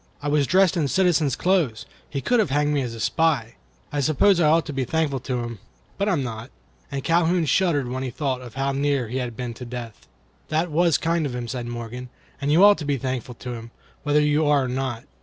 I was dressed in citizen's clothes. He could have had me hanged as a spy. I suppose I ought to be thankful to him, but I am not." And Calhoun shuddered when he thought how near he had been to death.(1) "That was kind of him," said Morgan; "and you ought to be thankful to him, whether you are or not.